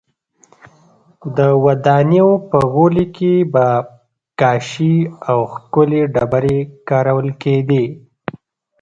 د ودانیو په غولي کې به کاشي او ښکلې ډبرې کارول کېدې